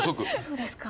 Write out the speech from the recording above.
そうですか。